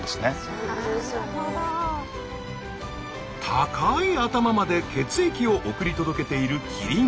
高い頭まで血液を送り届けているキリン。